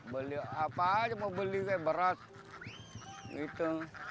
beli apa aja mau beli kayak berat gitu